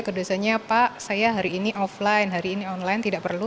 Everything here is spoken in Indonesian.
kedusannya pak saya hari ini offline hari ini online tidak perlu